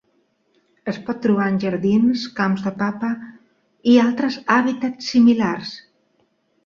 Es pot trobar en jardins, camps de papa i altres hàbitats similars.